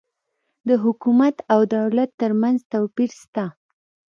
د حکومت او دولت ترمنځ توپیر سته